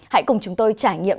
hãy cùng chúng tôi trải nghiệm